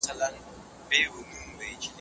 مهارت د تمرين پايله ده.